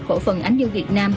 khổ phần ánh dương việt nam